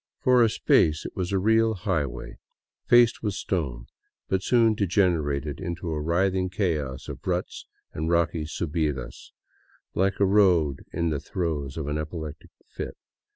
For a space it was a real highway, faced with stone, but soon degenerated into a writhing chaos of ruts and rocky suhidas, like a road in the throes of an epileptic fit.